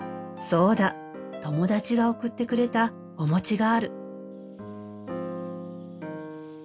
そうだ友達が送ってくれたお餅がある。